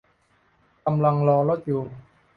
กำลังรอรถอยู่